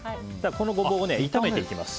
このゴボウを炒めていきます。